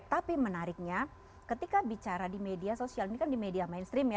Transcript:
tapi menariknya ketika bicara di media sosial ini kan di media mainstream ya